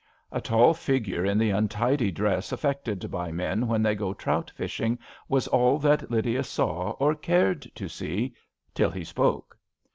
A tall figure in the untidy iress affected by men when they go trout fishing was all that Lydia saw, or cared to see — till he spoke.